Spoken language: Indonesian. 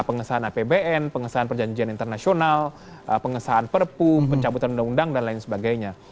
pengesahan apbn pengesahan perjanjian internasional pengesahan perpu pencabutan undang undang dan lain sebagainya